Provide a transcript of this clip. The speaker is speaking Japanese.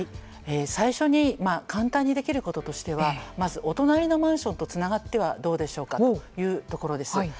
最初に簡単にできることとしてはまずお隣のマンションとつながってはどうでしょうかというところです。